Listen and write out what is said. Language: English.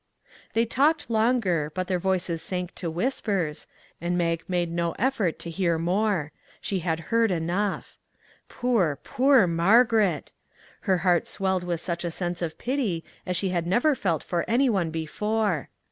They talked longer, but their voices sank to whispers, and Mag made no effort to hear more ; she had heard enough. Poor, poor Mar garet ! Her heart swelled with such a sense of pity as she had never felt for any one before.